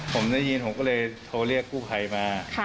ผมได้ยินผมก็เลยโทรเรียกกู้ภัยมา